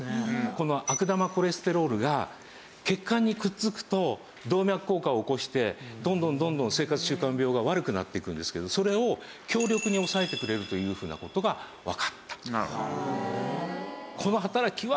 この悪玉コレステロールが血管にくっつくと動脈硬化を起こしてどんどんどんどん生活習慣病が悪くなっていくんですけどそれを強力に抑えてくれるというふうな事がわかった。